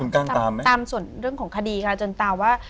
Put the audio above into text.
ครับตามส่วนของคดีจนตามว่า